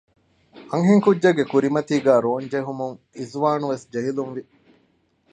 އަންހެންކުއްޖެއްގެ ކުރިމަތީގައި ރޯންޖެހުމުން އިޒުވާނުވެސް ޖެހިލުންވި